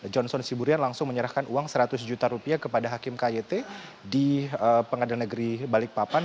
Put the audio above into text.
johnson siburian langsung menyerahkan uang seratus juta rupiah kepada hakim kyt di pengadilan negeri balikpapan